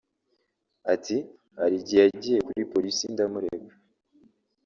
Ati “Hari igihe yagiye kuri Polisi ndamurega